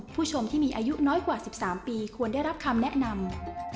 ผู้ชมที่มีอายุน้อยกว่า๑๓ปีควรได้รับคำแนะนำ